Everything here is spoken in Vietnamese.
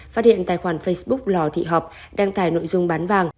phát hiện tài khoản facebook lò thị học đăng tải nội dung bán vàng